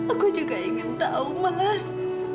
aku juga ingin tahu mas